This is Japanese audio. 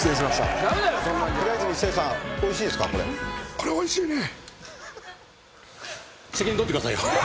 「これおいしいね」